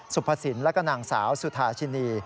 สุภสินแล้วก็นางสาวสุธาชินี